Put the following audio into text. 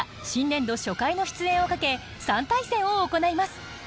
新年度初回の出演をかけ３対戦を行います。